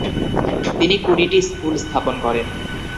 তিনি কুড়িটি স্কুুল স্থাপন করেন।